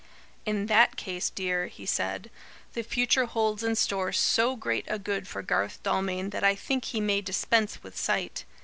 "In that case, dear," he said, "the future holds in store so great a good for Garth Dalmain that I think he may dispense with sight.